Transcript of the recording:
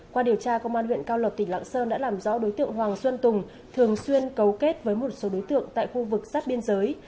qua điều tra công an huyện cao lộc tỉnh lạng sơn đã làm rõ đối tượng hoàng xuân tùng thường xuyên cấu kết với một số đối tượng tại khu vực sát biên giới